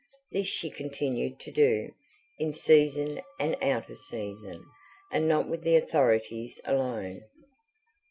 This she continued to do, in season and out of season. And not with the authorities alone.